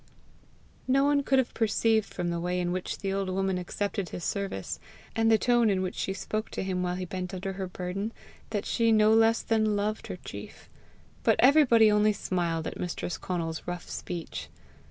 No one could have perceived from the way in which the old woman accepted his service, and the tone in which she spoke to him while he bent under her burden, that she no less than loved her chief; but everybody only smiled at mistress Conal's rough speech.